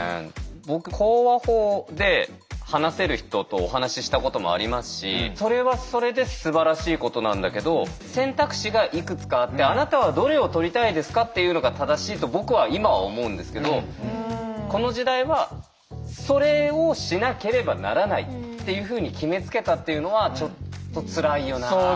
僕口話法で話せる人とお話ししたこともありますしそれはそれですばらしいことなんだけど選択肢がいくつかあってあなたはどれを取りたいですかっていうのが正しいと僕は今は思うんですけどこの時代はそれをしなければならないっていうふうに決めつけたっていうのはちょっとつらいよなあって。